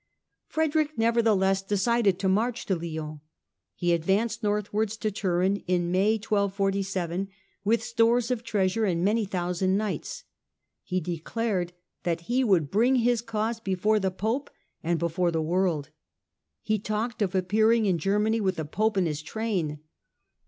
Frederick nevertheless decided to march to Lyons. He advanced northwards to Turin in May, 1247, with stores of treasure and many thousand knights. He de clared that he would bring his cause before the Pope and before the world : he talked of appearing in Germany with the Pope in his train.